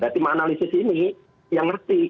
tim analisis ini yang ngerti